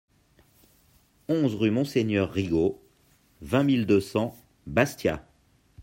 onze rue Monseigneur Rigo, vingt mille deux cents Bastia